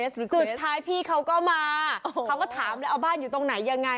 สุดท้ายพี่เขาก็มาเขาก็ถามเลยเอาบ้านอยู่ตรงไหนยังไง